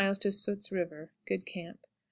Soot's River. Good camp. 6.